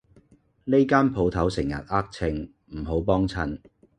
呢間舖頭成日呃秤，唔好幫襯